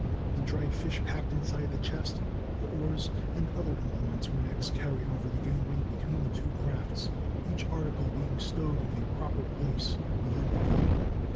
The dried fish packed inside the chest, the oars, and other implements were next carried over the "gangway" between the two crafts, each article being stowed in a proper place within the gig.